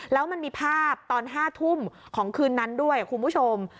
แล้วมันมีภาพตอน๕ทุ่มของคืนนั้นด้วยคุณผู้ชม